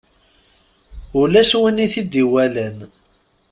Ulac win i t-id-iwalan.